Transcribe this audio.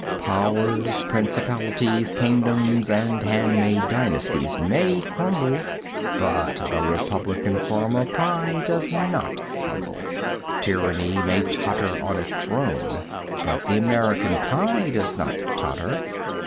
Powers, principalities, kingdoms and hand made dynasties may crumble, but the republican form of pie does not crumble. Tyranny may totter on its throne, but the American pie does not totter.